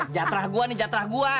jatrah gua nih jatrah gua